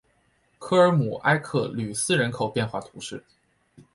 科尔姆埃克吕斯人口变化图示